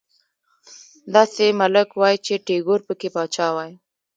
داسې ملک وای چې ټيګور پکې پاچا وای